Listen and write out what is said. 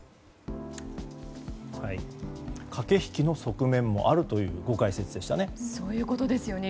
駆け引きの側面もあるという解説でしたね。